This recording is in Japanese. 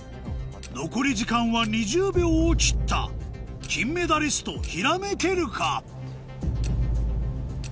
残り時間は２０秒を切った金メダリストひらめけるか？